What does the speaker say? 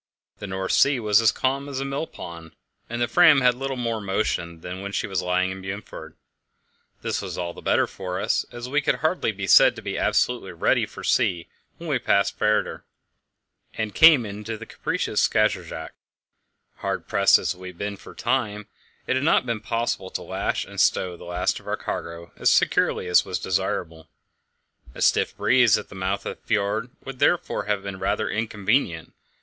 The North Sea was as calm as a millpond; the Fram had little more motion than when she was lying in Bundefjord. This was all the better for us, as we could hardly be said to be absolutely ready for sea when we passed Færder, and came into the capricious Skagerak. Hard pressed as we had been for time, it had not been possible to lash and stow the last of our cargo as securely as was desirable; a stiff breeze at the mouth of the fjord would therefore have been rather inconvenient.